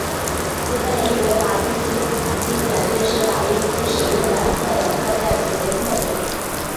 丝带亦于打字机及点阵式打印机使用染色的色带储存墨水。